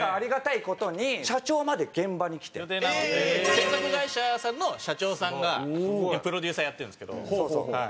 制作会社さんの社長さんがプロデューサーやってるんですけどはい。